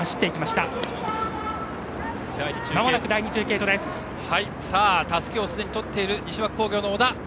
たすきをすでに取っている西脇工業の小田。